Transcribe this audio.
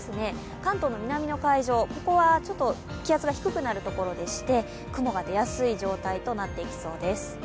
関東の南の海上は気圧が低くなるところでして雲が出やすい状態となっていきそうです。